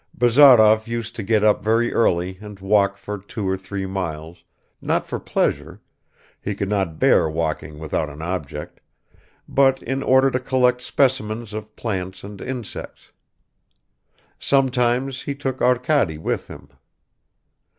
Bazarov used to get up very early and walk for two or three miles, not for pleasure he could not bear walking without an object but in order to collect specimens of plants and insects. Sometimes he took Arkady with him.